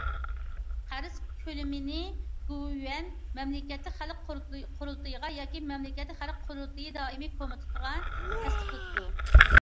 قەرز كۆلىمىنى گوۋۇيۈەن مەملىكەتلىك خەلق قۇرۇلتىيىغا ياكى مەملىكەتلىك خەلق قۇرۇلتىيى دائىمىي كومىتېتىغا تەستىقلىتىدۇ.